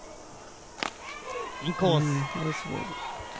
インコース。